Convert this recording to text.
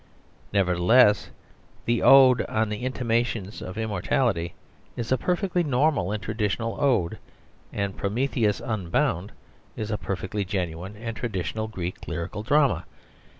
Nevertheless, the "Ode on the Intimations of Immortality" is a perfectly normal and traditional ode, and "Prometheus Unbound" is a perfectly genuine and traditional Greek lyrical drama.